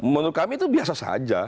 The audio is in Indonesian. menurut kami itu biasa saja